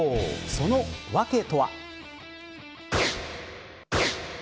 その訳とは。